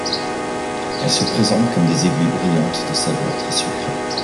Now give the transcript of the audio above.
Elle se présente comme des aiguilles brillantes de saveur très sucrée.